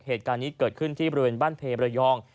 เหตุการณ์นี้เกิดขึ้นที่บริเวณบ้านเพบรยอง